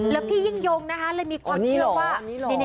แล้วพี่ยิ่งยงนะคะเลยมีความเชื่อว่า